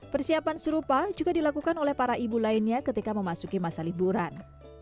persiapan serupa juga dilakukan oleh para ibu lainnya ketika memasuki masa liburan